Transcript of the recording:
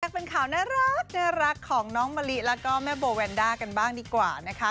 เป็นข่าวน่ารักของน้องมะลิแล้วก็แม่โบแวนด้ากันบ้างดีกว่านะคะ